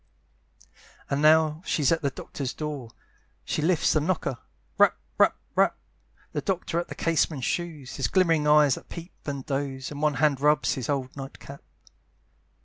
And now she's at the doctor's door, She lifts the knocker, rap, rap, rap, The doctor at the casement shews, His glimmering eyes that peep and doze; And one hand rubs his old night cap.